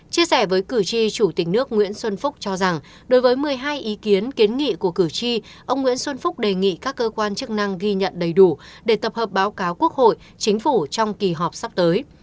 chia sẻ với cử tri chủ tịch nước nguyễn xuân phúc cho rằng đối với một mươi hai ý kiến kiến nghị của cử tri ông nguyễn xuân phúc đề nghị các cơ quan chức năng ghi nhận đầy đủ để tập hợp báo cáo quốc hội chính phủ trong kỳ họp sắp tới